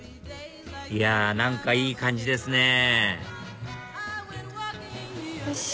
いや何かいい感じですねよし！